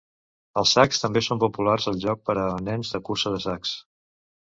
Els sacs també són populars al joc per a nens de cursa de sacs.